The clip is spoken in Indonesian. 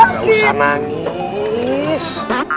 enggak usah manggis